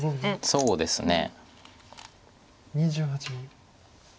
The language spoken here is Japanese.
そうですね。